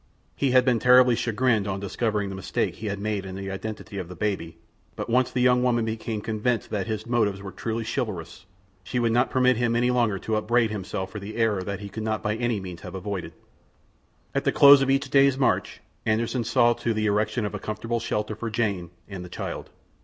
He had been terribly chagrined on discovering the mistake he had made in the identity of the baby, but once the young woman became convinced that his motives were truly chivalrous she would not permit him longer to upbraid himself for the error that he could not by any means have avoided. At the close of each day's march Anderssen saw to the erection of a comfortable shelter for Jane and the child.